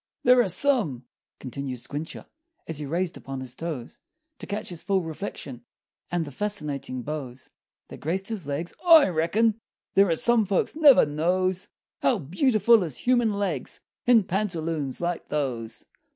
"There are some," continued Squincher, As he raised upon his toes To catch his full reflection, And the fascinating bows That graced his legs, "I reckon There are some folks never knows How beautiful is human legs In pantaloons like those!"